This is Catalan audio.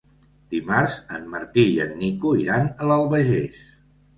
Dimarts en Martí i en Nico iran a l'Albagés.